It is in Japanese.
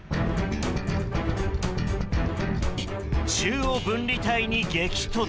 中央分離帯に激突。